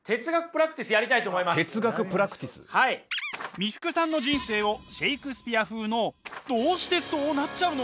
三福さんの人生をシェイクスピア風の「どうしてそうなっちゃうの？